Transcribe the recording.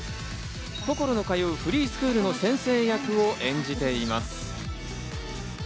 こころの通うフリースクールの先生役を演じています。